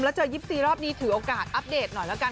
แล้วเจอ๒๔รอบนี้ถือโอกาสอัปเดตหน่อยแล้วกัน